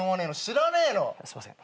すいません。